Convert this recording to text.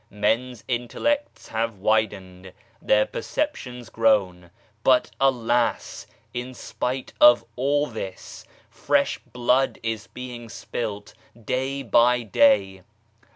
Men's intellects have widened, their perceptions grown, but alas, in spite of all this, fresh blood is being spilt day by day.